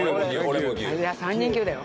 ３人牛だよ。